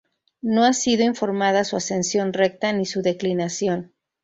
No ha sido informada su ascensión recta ni su declinación